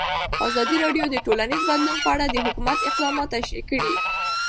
ازادي راډیو د ټولنیز بدلون په اړه د حکومت اقدامات تشریح کړي.